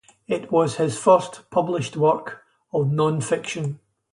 It was his first published work of nonfiction.